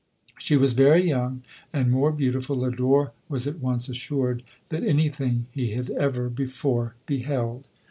She was very young, and more beauti ful, Lodore was at once assured, than any thing he had ever before beheld.